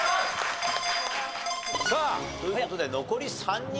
さあという事で残り３人ですか？